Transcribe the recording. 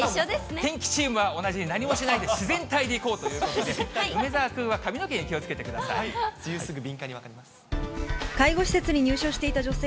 天気チームは同じで、何もしないで自然体でいこうということで、梅澤君は髪の毛に気をつけてまずはこちらのニュースです。